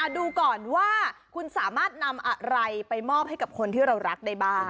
ดูก่อนว่าคุณสามารถนำอะไรไปมอบให้กับคนที่เรารักได้บ้าง